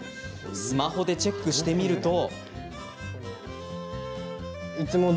スマホでチェックしてみると。